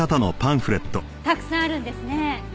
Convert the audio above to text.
たくさんあるんですね。